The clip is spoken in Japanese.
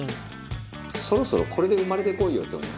そろそろこれで生まれこいよって思う。